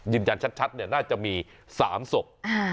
ยืนยันชัดเนี่ยน่าจะมี๓ศพ